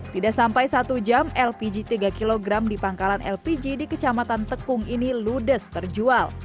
tidak sampai satu jam lpg tiga kg di pangkalan lpg di kecamatan tekung ini ludes terjual